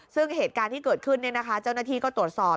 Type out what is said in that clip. ซึ่งเหตุการณ์ที่เกิดขึ้นเจ้าหน้าที่ก็ตรวจสอบ